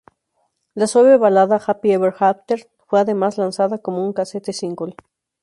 La suave balada "Happy Ever After" fue además lanzada como un casete-single.